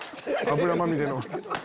油まみれの。